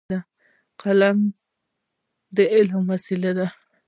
قلم د علم وسیله ده.